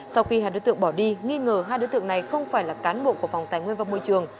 sau khi hai đối tượng bỏ đi nghi ngờ hai đối tượng này không phải là cán bộ của phòng tài nguyên và môi trường